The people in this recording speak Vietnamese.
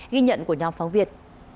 ghi nhận của nhóm phóng việt